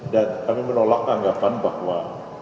dan kami menolak anggapan bahwa